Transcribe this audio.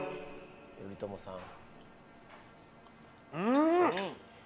頼朝さん